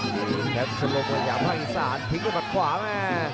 ดูครับชะลงวัยยาภาคอีสานทิ้งด้วยบัตรขวามา